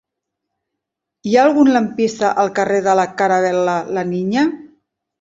Hi ha algun lampista al carrer de la Caravel·la La Niña?